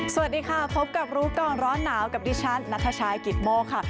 สวัสดีค่ะพบกับรู้ก่อนร้อนหนาวกับดิฉันนัทชายกิตโมกค่ะ